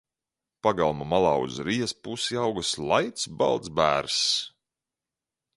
Pagalma malā uz rijas pusi auga slaids, balts bērzs.